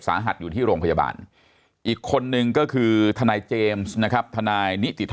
สาหัสอยู่ที่โรงพยาบาลอีกคนนึงก็คือทนายเจมส์นะครับทนายนิติธรรม